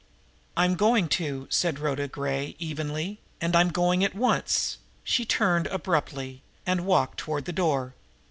"I am going to," said Rhoda Gray evenly. "And I'm going at once." She turned abruptly and walked toward the door.